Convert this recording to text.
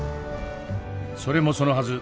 それもそのはず。